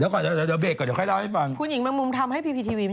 เดี๋ยวก่อนเดี๋ยวเบรกก่อนเดี๋ยวใครเล่าให้ฟัง